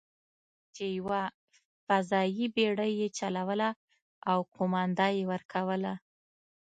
چې یوه فضايي بېړۍ یې چلوله او قومانده یې ورکوله.